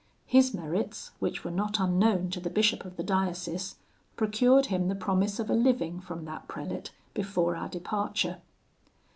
His merits, which were not unknown to the bishop of the diocese, procured him the promise of a living from that prelate before our departure.